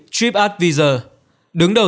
tripadvisor đứng đầu